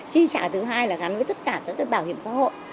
chi trả thứ hai là gắn với tất cả các bảo hiểm xã hội